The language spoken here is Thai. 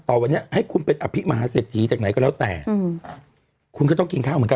วันนี้ให้คุณเป็นอภิมหาเศรษฐีจากไหนก็แล้วแต่คุณก็ต้องกินข้าวเหมือนกัน